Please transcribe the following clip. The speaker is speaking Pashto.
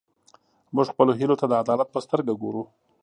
موږ خپلو هیلو ته د عدالت په سترګه ګورو.